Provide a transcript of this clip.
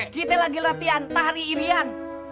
kita lagi latihan tari irian